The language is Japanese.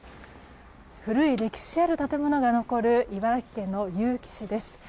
古い歴史ある建物が残る茨城県の結城市です。